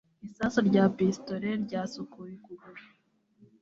Isasu rya pistolet ryasukuye ukuguru.